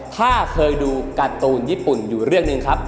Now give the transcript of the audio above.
ถ้าเคยดูการ์ตูนญี่ปุ่นอยู่เรื่องหนึ่งครับ